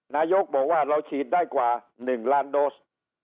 นายกบอกว่าเราฉีดได้กว่า๑ล้านโดส